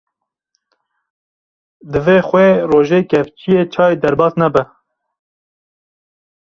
divê xwê rojê kevçiyê çay derbas nebe